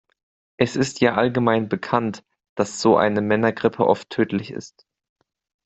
Es ist ja allgemein bekannt, dass so eine Männergrippe oft tödlich ist.